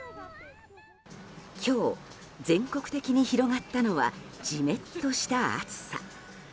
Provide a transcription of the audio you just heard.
今日、全国的に広がったのはジメッとした暑さ。